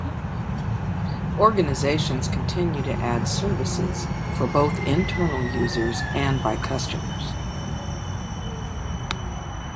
Organizations continue to add services for both internal users and by customers.